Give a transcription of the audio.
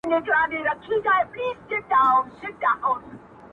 چي وركوي څوك په دې ښار كي جينكو ته زړونه.